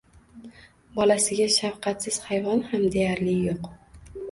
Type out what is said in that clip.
Bolasiga shafqatsiz hayvon ham deyarli yo'q.